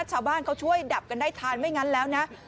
ชาวบ้านเขาช่วยดับกันได้ทันไม่งั้นแล้วนะ